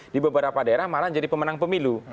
di beberapa daerah malah jadi pemenang pemilu